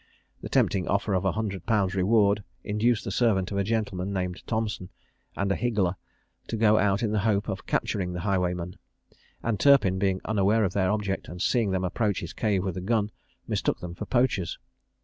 The tempting offer of 100_l_. reward induced the servant of a gentleman, named Thompson, and a higgler, to go out in the hope of capturing the highwayman; and Turpin, being unaware of their object, and seeing them approach his cave with a gun, mistook them for poachers.